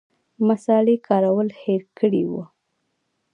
مصالې کارول هېر کړي وو.